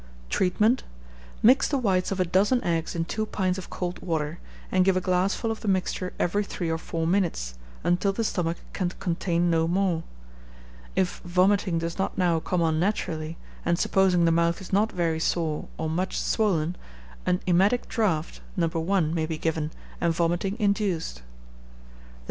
Treatment. Mix the whites of a dozen eggs in two pints of cold water, and give a glassful of the mixture every three or four minutes, until the stomach can contain no more. If vomiting does not now come on naturally, and supposing the mouth is not very sore or much swollen, an emetic draught, No. 1, may be given, and vomiting induced. (The No.